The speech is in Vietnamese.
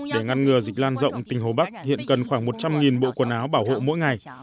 để ngăn ngừa dịch lan rộng tỉnh hồ bắc hiện cần khoảng một trăm linh bộ quần áo bảo hộ mỗi ngày